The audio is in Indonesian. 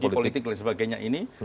politik dan sebagainya ini